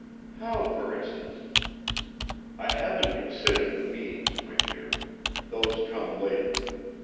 "How, for instance?" "I haven't considered the means, my dear. Those come later.